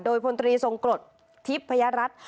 โดยพลตรีทรงกฎทิพยารัทธ์